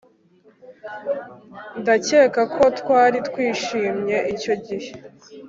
Ndakeka ko twari twishimye icyo gihe